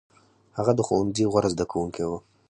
هغه د ښوونځي غوره زده کوونکی و.